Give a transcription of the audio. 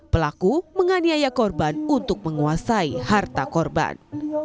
pelaku menganiaya korban untuk menguasai harta korban